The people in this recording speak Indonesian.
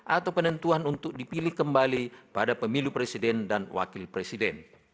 atau penentuan untuk dipilih kembali pada pemilu presiden dan wakil presiden